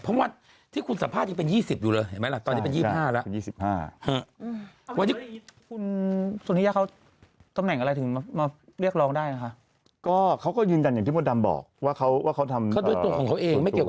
เพราะว่าที่คุณสัมภาษณ์ยังเป็น๒๐อยู่เลยเห็นไหมล่ะตอนนี้เป็น๒๕แล้ว๒๕